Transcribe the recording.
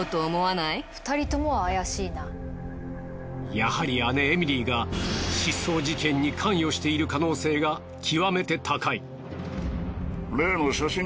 やはり姉エミリーが失踪事件に関与している可能性が極めて高い。